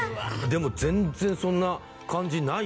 でも全然そんな感じないよ